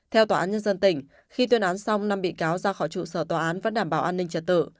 theo tòa án nhân dân tỉnh khi tuyên án xong năm bị cáo ra khỏi trụ sở tòa án vẫn đảm bảo an ninh trật tự